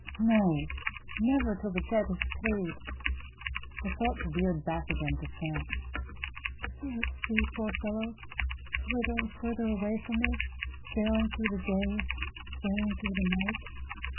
"No: never till the debt is paid!" Her thoughts veered back again to Frank. "Still at sea, poor fellow; further and further away from me; sailing through the day, sailing through the night.